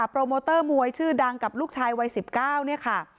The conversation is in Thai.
โปรโมเตอร์มวยชื่อดังกับลูกชายวัย๑๙เนี่ยค่ะ